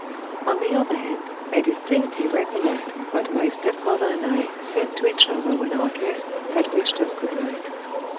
On the other hand, I distinctly recollect what my stepmother and I said to each other when our guests had wished us good night.